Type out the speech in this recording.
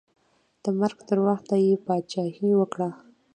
د مرګ تر وخته یې پاچاهي وکړه.